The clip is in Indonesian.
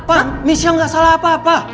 pak missial nggak salah apa apa